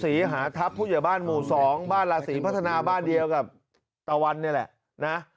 ศรีหาทัพผู้ใหญ่บ้านหมู่๒บ้านราศีพัฒนาบ้านเดียวกับตะวันนี่แหละนะ